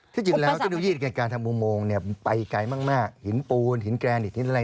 ที่จริงแล้วต้องยืดการทำอุโมงเนี่ยไปไกลมากหินปูนหินแกนอีกนิดอะไร